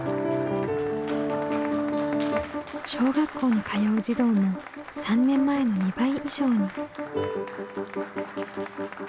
小学校に通う児童も３年前の２倍以上に。